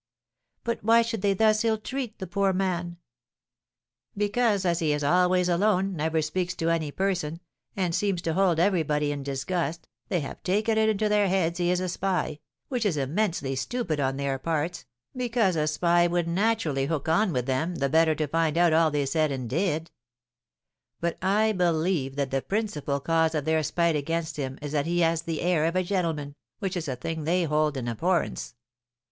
"But why should they thus ill treat the poor man?" "Because, as he is always alone, never speaks to any person, and seems to hold everybody in disgust, they have taken it into their heads he is a spy, which is immensely stupid on their parts, because a spy would naturally hook on with them the better to find out all they said and did; but I believe that the principal cause of their spite against him is that he has the air of a gentleman, which is a thing they hold in abhorrence.